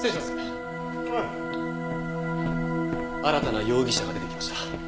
新たな容疑者が出てきました。